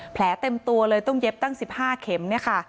แผลเต็มตัวเลยต้องเย็บตั้ง๑๕เข็ม